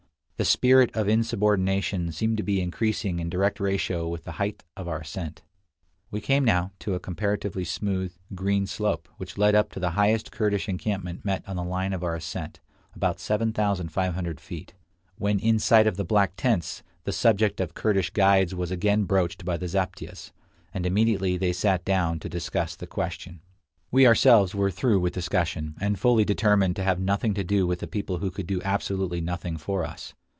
The spirit of insubordination seemed to be increasing in direct ratio with the height of our ascent. We came now to a comparatively smooth, green slope, which led up to the highest Kurdish encampment met on the line of our ascent, about 7500 feet. When in sight of the black tents, the subject of Kurdish guides was again broached by the zaptiehs, and immediately they sat down to discuss the question. We ourselves were through with discussion, and fully determined to have nothing to do with a people who could do absolutely nothing for us.